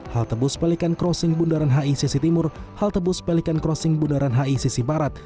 haltebus pelikan crossing bundaran hi sisi timur haltebus pelikan crossing bundaran hi sisi barat